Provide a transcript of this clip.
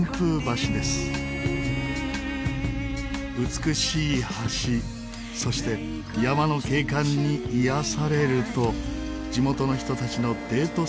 美しい橋そして山の景観に癒やされると地元の人たちのデート